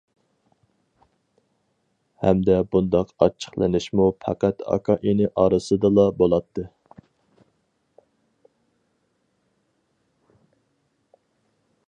ھەمدە بۇنداق ئاچچىقلىنىشمۇ پەقەت ئاكا-ئىنى ئارىسىدىلا بولاتتى.